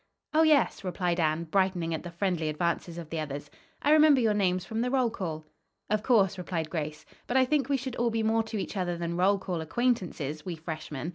"Oh, yes," replied Anne, brightening at the friendly advances of the others. "I remember your names from the roll call." "Of course," replied Grace. "But I think we should all be more to each other than roll call acquaintances, we freshmen.